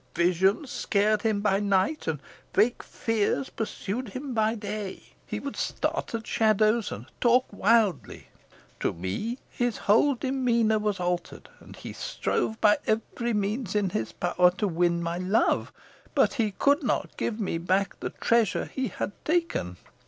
Visions scared him by night, and vague fears pursued him by day. He would start at shadows, and talk wildly. To me his whole demeanour was altered; and he strove by every means in his power to win my love. But he could not give me back the treasure he had taken.